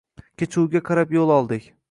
Kechuvga qarab yoʻl oldik